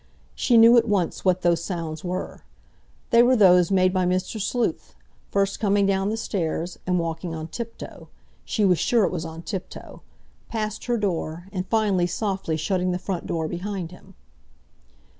She knew at once what those sounds were. They were those made by Mr. Sleuth, first coming down the stairs, and walking on tiptoe—she was sure it was on tiptoe—past her door, and finally softly shutting the front door behind him.